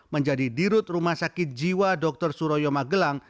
menjadi dirut rumah sakit jiwa dr suroyo magelang